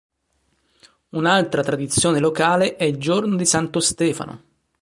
Un'altra tradizione locale è il giorno di Santo Stefano.